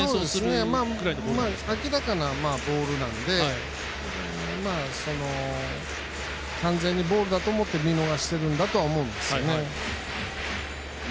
明らかなボールなので完全にボールだと思って見逃してるんだとは思うんですよ。